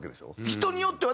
人によっては。